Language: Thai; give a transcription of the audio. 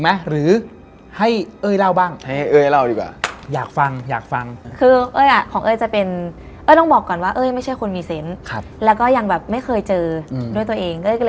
มันก็ถ่ายแบบแต๊ก